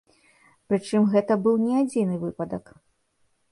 Пры чым гэта быў не адзіны выпадак.